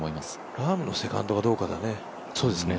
ラームのセカンドがどうかだね。